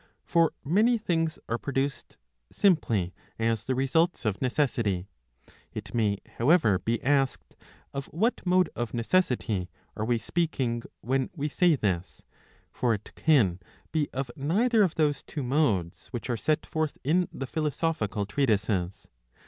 For many things are produced, simply as the results of necessity. It may, however, be asked, of what mode of necessity ^* are we speaking when we say this. For it can be of neither of those two modes which are set forth in the philosophical treatises.